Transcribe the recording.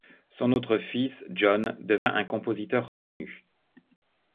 Son autre fils, John devint un compositeur reconnu.